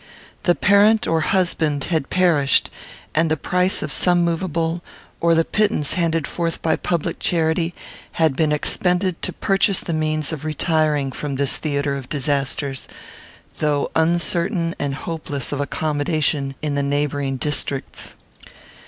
The parent or husband had perished; and the price of some movable, or the pittance handed forth by public charity, had been expended to purchase the means of retiring from this theatre of disasters, though uncertain and hopeless of accommodation in the neighbouring districts.